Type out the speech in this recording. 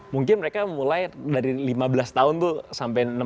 mungkin mereka mulai dari lima belas tahun tuh sampai enam belas tujuh belas